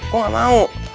gua gak mau